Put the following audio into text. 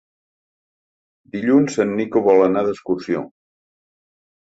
Dilluns en Nico vol anar d'excursió.